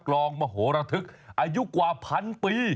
ลองมโหระทึกอายุกว่าพันปี